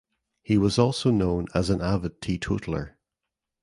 He was also known as an avid teetotaler.